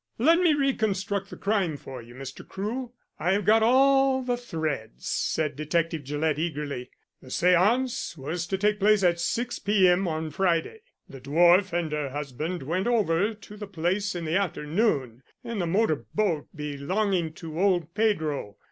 "Let me reconstruct the crime for you, Mr. Crewe. I have got all the threads," said Detective Gillett eagerly. "The séance was to take place at 6 p. m. on Friday. The dwarf and her husband went over to the place in the afternoon in the motor boat belonging to old Pedro.